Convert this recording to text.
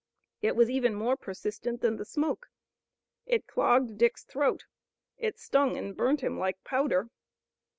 It was even more persistent than the smoke. It clogged Dick's throat. It stung and burnt him like powder.